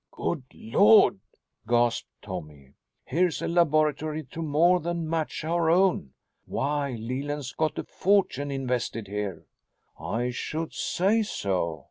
"Good Lord!" gasped Tommy. "Here's a laboratory to more than match our own. Why, Leland's got a fortune invested here!" "I should say so.